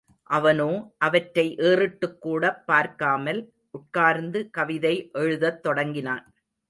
அவனோ, அவற்றை ஏறிட்டுக்கூடப் பார்க்காமல், உட்கார்ந்து கவிதை எழுதத் தொடங்கினான்.